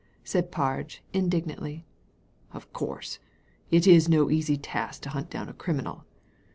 said Parge, indignantly. "Of course, it is no easy task to hunt down a criminal.